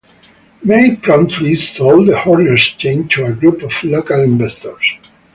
May promptly sold the Horne's chain to a group of local investors.